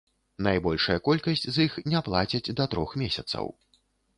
Найбольшая колькасць з іх не плацяць да трох месяцаў.